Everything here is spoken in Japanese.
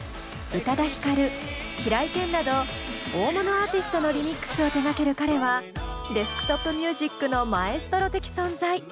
宇多田ヒカル平井堅など大物アーティストのリミックスを手がける彼はＤｅｓｋＴｏｐＭｕｓｉｃのマエストロ的存在。